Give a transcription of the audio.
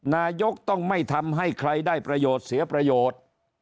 นายกต้องไม่ทำให้ใครได้ประโยชน์เสียประโยชน์